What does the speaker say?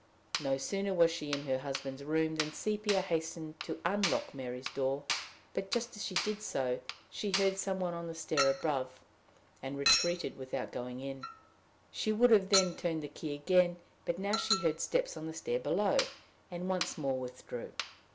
No sooner was she in her husband's room than Sepia hastened to unlock Mary's door; but, just as she did so, she heard some one on the stair above, and retreated without going in. She would then have turned the key again, but now she heard steps on the stair below, and once more withdrew.